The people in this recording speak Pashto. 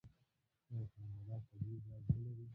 آیا کاناډا طبیعي ګاز نلري؟